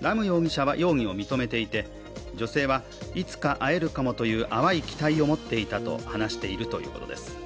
ラム容疑者は容疑を認めていて、女性は、いつか会えるかもという淡い期待を持っていたと話しているということです。